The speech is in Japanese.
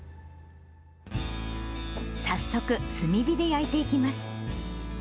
早速、炭火で焼いていきます。